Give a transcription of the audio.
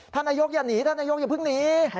ท่านนายกอย่าหนีท่านนายกอย่าเพิ่งหนี